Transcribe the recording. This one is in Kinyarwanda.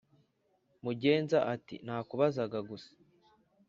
Mugenza ati"nakubaza gusa"